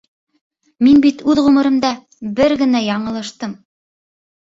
Мин бит үҙ ғүмеремдә бер генә яңылыштым!